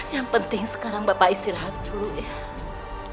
yang penting sekarang bapak istirahat dulu ya